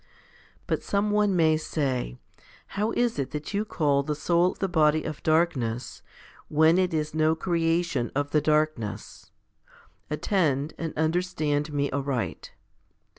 7. But some one may say, How is it that" you call the soul the body of darkness, when it is no creation of the darkness? Attend, and understand me aright.